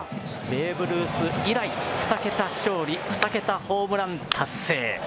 ベーブ・ルース以来、２桁勝利、２桁ホームラン達成。